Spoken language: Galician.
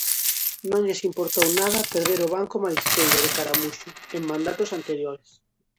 Non lles importou nada perder o banco marisqueiro de caramuxo, en mandatos anteriores.